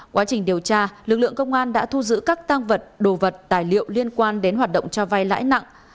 quá trình điều tra lực lượng công an đã thu giữ các tăng vật đồ vật tài liệu liên quan đến hoạt động cho vay lãi nặng